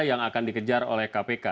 yang akan dikejar oleh kpk